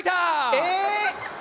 えっ！